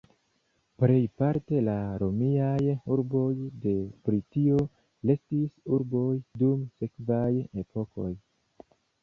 Plejparte la romiaj urboj de Britio restis urboj dum sekvaj epokoj.